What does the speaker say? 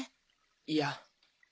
いや。